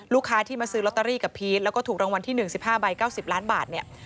ลูกค้าที่มาซื้อลอตเตอรี่กับพีชแล้วก็ถูกรางวัลที่๑๕ใบ๙๐ล้านบาทเนี่ย